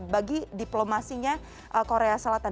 bagi diplomasinya korea selatan